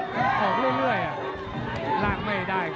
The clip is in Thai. เพราะเดริ่งแหละ